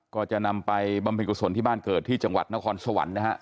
ก็จะนำไปบำเพ็ญกุศลที่บ้านเกิดที่จังหวัดนครสวรรค์นะฮะ